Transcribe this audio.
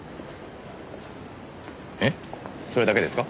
それだけですか？